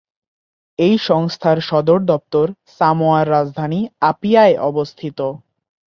এই সংস্থার সদর দপ্তর সামোয়ার রাজধানী আপিয়ায় অবস্থিত।